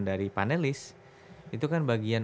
dari panelis itu kan bagian